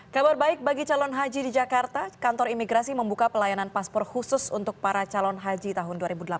kabar baik bagi calon haji di jakarta kantor imigrasi membuka pelayanan paspor khusus untuk para calon haji tahun dua ribu delapan belas